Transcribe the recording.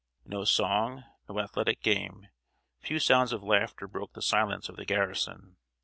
No song, no athletic game, few sounds of laughter broke the silence of the garrison.